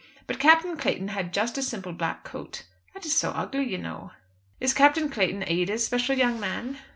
But Captain Clayton had just a simple black coat. That is so ugly, you know." "Is Captain Clayton Ada's special young man?"